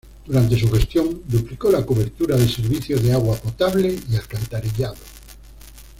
Durante su gestión duplicó la cobertura de servicio de agua potable y alcantarillado.